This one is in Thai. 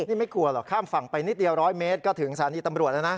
นี่ไม่กลัวหรอกข้ามฝั่งไปนิดเดียว๑๐๐เมตรก็ถึงสถานีตำรวจแล้วนะ